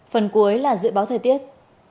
phần cuối là dự báo thời tiết